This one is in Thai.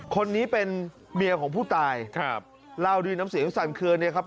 คนนี้เป็นเมียของผู้ตายครับเล่าด้วยน้ำเสียงสั่นเคลือเนี่ยครับ